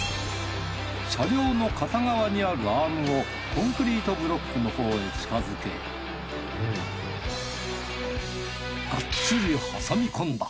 車両の片側にあるアームをコンクリートブロックのほうへ近づけがっちり挟みこんだ！